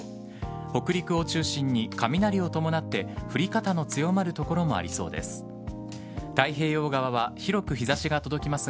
北陸を中心に雷を伴って降り方の強まる所もありそうです。